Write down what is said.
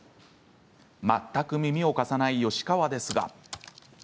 全く耳を貸さない吉川ですが。